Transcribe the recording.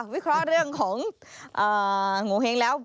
วิเคราะห์เรื่องของโงเห้งแล้ว